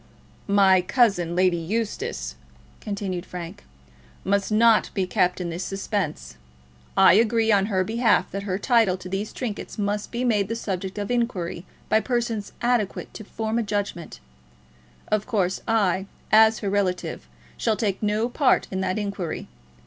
"My cousin, Lady Eustace," continued Frank, "must not be kept in this suspense. I agree on her behalf that her title to these trinkets must be made the subject of inquiry by persons adequate to form a judgment. Of course, I, as her relative, shall take no part in that inquiry.